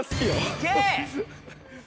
いけ！